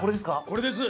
これです！